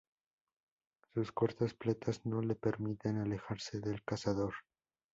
Sus cortas patas no le permiten alejarse del cazador.